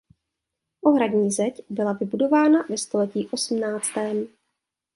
Ohradní zeď byla vybudována ve století osmnáctém.